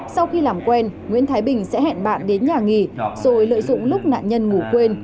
sau khi làm quen nguyễn thái bình sẽ hẹn bạn đến nhà nghỉ rồi lợi dụng lúc nạn nhân ngủ quên